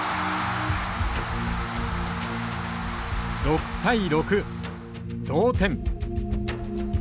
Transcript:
６対６同点。